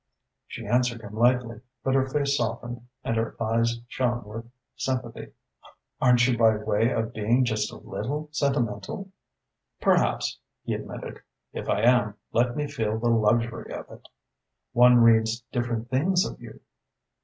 She answered him lightly, but her face softened and her eyes shone with sympathy. "Aren't you by way of being just a little sentimental?" "Perhaps," he admitted. "If I am, let me feel the luxury of it." "One reads different things of you."